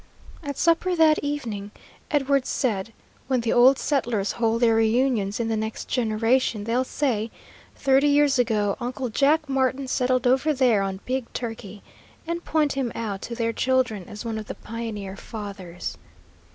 At supper that evening Edwards said: "When the old settlers hold their reunions in the next generation, they'll say, 'Thirty years ago Uncle Jack Martin settled over there on Big Turkey,' and point him out to their children as one of the pioneer fathers."